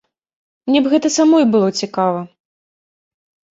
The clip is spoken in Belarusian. Мне б гэта самой было цікава.